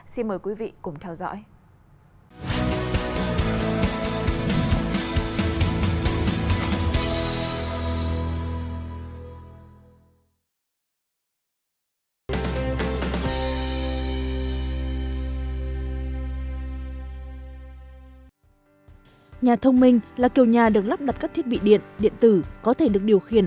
xin mời quý vị cùng theo dõi